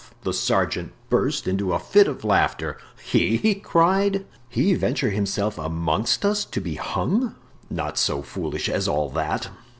The sergeant burst into a fit of laughter. "He!" he cried; "he venture himself amongst us, to be hung! Not so foolish as all that."